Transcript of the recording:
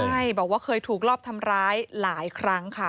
ใช่บอกว่าเคยถูกรอบทำร้ายหลายครั้งค่ะ